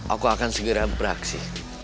aku akan segera beraksi